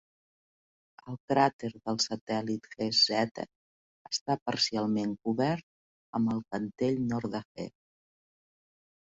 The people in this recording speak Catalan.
El cràter del satèl·lit Hess Z està parcialment cobert amb el cantell nord de Hess.